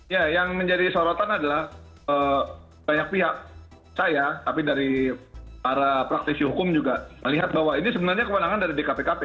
ya yang menjadi sorotan adalah banyak pihak saya tapi dari para praktisi hukum juga melihat bahwa ini sebenarnya kewenangan dari dkpkp